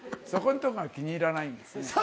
そこんとこが気に入らないんですね。